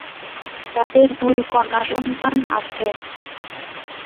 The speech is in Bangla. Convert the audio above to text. তাদের দুই কন্যা সন্তান আছে।